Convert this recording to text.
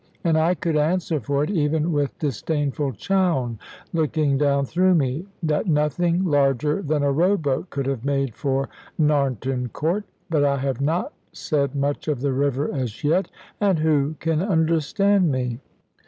And I could answer for it, even with disdainful Chowne looking down through me, that nothing larger than a row boat could have made for Narnton Court. But I have not said much of the river as yet; and who can understand me?